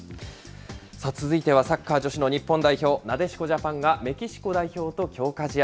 続いてはサッカー女子の日本代表、なでしこジャパンが、メキシコ代表と強化試合。